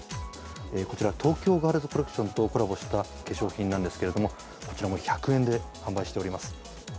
こちら東京ガールズコレクションとコラボした商品なんですけれどもこちらも１００円で販売しています。